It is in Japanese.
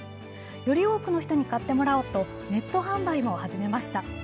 より多くの人に買ってもらおうとネット販売も始めました。